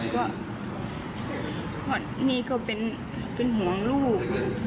เพราะว่ามีเขาเป็นห่วงลูก